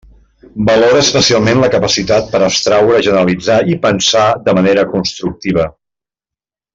Valora especialment la capacitat per a abstraure, generalitzar i pensar de manera constructiva.